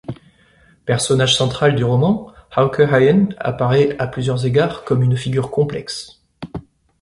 Personnage central du roman, Hauke Haien apparaît à plusieurs égards comme une figure complexe.